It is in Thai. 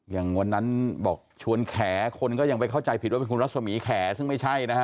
อย่างวันนั้นบอกชวนแขคนก็ยังไปเข้าใจผิดว่าเป็นคุณรัศมีแขซึ่งไม่ใช่นะฮะ